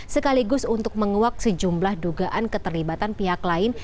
sekaligus untuk menguak sejumlah dugaan keterlibatan pihak lain